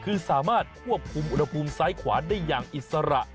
คือสามารถควบคุมอุณหภูมิซ้ายขวาได้อย่างอิสระ